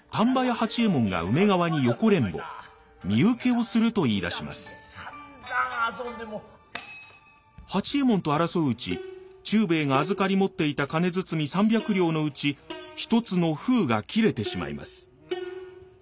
八右衛門と争ううち忠兵衛が預かり持っていた金包み３００両のうち１つの封が切れてしまいます。